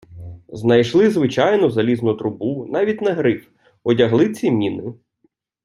Знайшли звичайну залізну трубу, навіть не гриф, одягли ці міни.